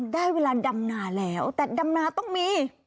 ได้เวลาดำนาแล้วแต่ดำนาต้องมี